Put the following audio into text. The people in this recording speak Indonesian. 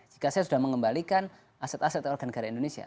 jika saya sudah mengembalikan aset aset warga negara indonesia